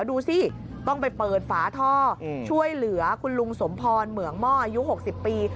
ดูสิต้องไปเปิดฝาท่อช่วยเหลือคุณลุงสมพรเหมืองหม้ออายุ๖๐ปี